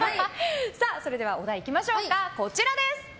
それでは、お題いきましょう。